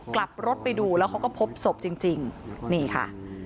กลับรถไปดูแล้วเขาก็พบศพจริงจริงนี่ค่ะ